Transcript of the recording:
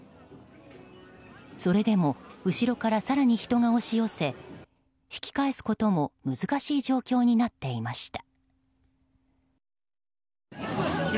それでも後ろから更に人が押し寄せ引き返すことも難しい状況になっていました。